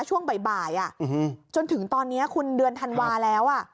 ช่วงบ่ายจนถึงตอนนี้คุณเดือนธันวาแล้ว